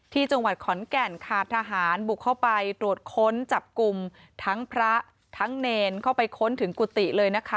ที่จังหวัดขอนแก่นค่ะทหารบุกเข้าไปตรวจค้นจับกลุ่มทั้งพระทั้งเนรเข้าไปค้นถึงกุฏิเลยนะคะ